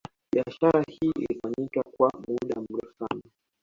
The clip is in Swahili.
Biashara hii ilifanyika kwa muda mrefu sana